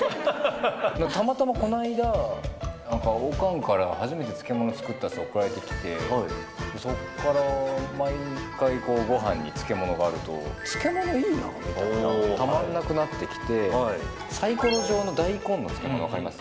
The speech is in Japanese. たまたまこの間、なんかオカンから初めて漬物作ったって、送られてきて、そこから毎回、ごはんに漬物があると、漬物いいなと、たまんなくなってきて、さいころ状の大根の漬物分かります？